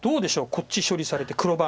こっち処理されて黒番。